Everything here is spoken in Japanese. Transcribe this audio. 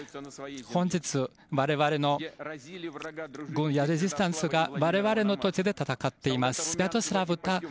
本日、我々の軍やレジスタンスが我々の土地で戦っています。